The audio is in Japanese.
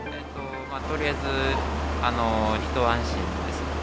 とりあえず、一安心です。